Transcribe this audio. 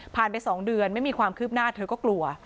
ไป๒เดือนไม่มีความคืบหน้าเธอก็กลัว